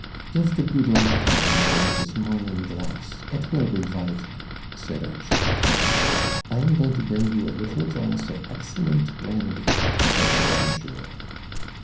" Give the good old fellow, ma'am, his morning glass, it will revive him," said Archie. '* I am going to bring you a little glass of excellent brandy," said Madame Jules.